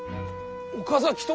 岡崎と！